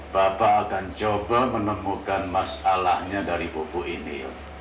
bapak akan coba menemukan masalahnya dari buku ini